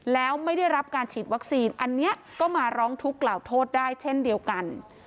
แล้วไม่ได้รับการฉีดวัคซีนอันนี้ก็มาร้องทุกข์กล่าวโทษได้เช่นเดียวกัน